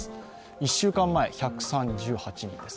１週間前１３８人です。